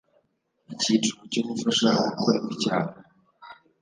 Icyiciro cya Gufasha uwakorewe icyaha